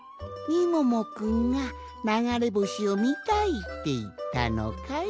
みももくんがながれぼしをみたいっていったのかい？